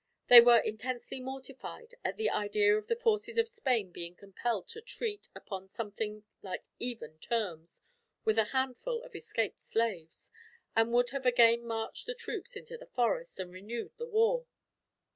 They were intensely mortified at the idea of the forces of Spain being compelled to treat, upon something like even terms, with a handful of escaped slaves; and would have again marched the troops into the forest, and renewed the war.